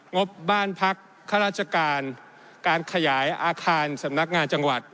งบบ้านพักข้าราชการการขยายอาคารสำนักงานจังหวัด